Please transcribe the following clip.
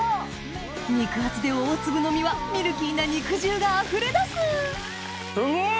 肉厚で大粒の身はミルキーな肉汁があふれ出すすごい！